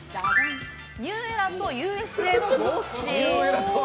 ニューエラとＵＳＡの帽子。